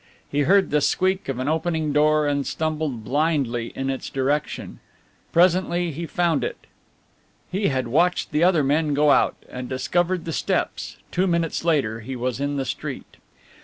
He heard the squeak of an opening door and stumbled blindly in its direction. Presently he found it. He had watched the other men go out and discovered the steps two minutes later he was in the street.